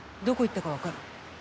どこ行ったかわかる？